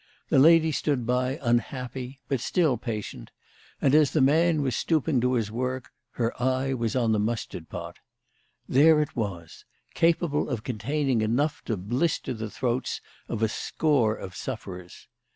The lady stood by unhappy, but still patient, and, as the man was stooping to his work, her eye was on the mustard pot. There it was, capable of containing enough to blister the throats of a score of sufferers.